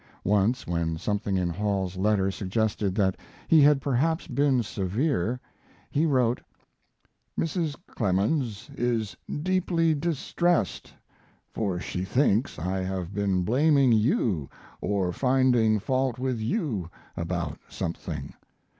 Once, when something in Hall's letter suggested that he had perhaps been severe, he wrote: Mrs. Clemens is deeply distressed, for she thinks I have been blaming you or finding fault with you about something.